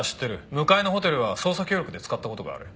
向かいのホテルは捜査協力で使った事がある。